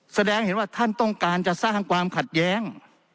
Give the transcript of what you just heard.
แสดงเห็นว่าท่านต้องการจะสร้างความขัดแย้ง